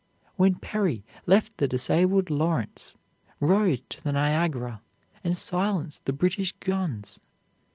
when Perry left the disabled Lawrence, rowed to the Niagara, and silenced the British guns?